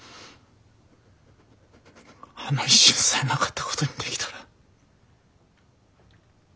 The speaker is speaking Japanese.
あの一瞬さえなかったことにできたら！